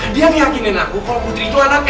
dia yang yakinin aku kalau putri itu anaknya